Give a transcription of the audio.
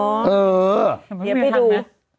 ไม่ได้ไปดู